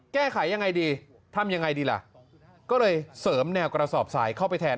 แก้ไขยังไงดีทำยังไงดีล่ะก็เลยเสริมแนวกระสอบสายเข้าไปแทน